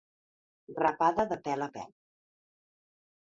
Rapada de pèl a pèl.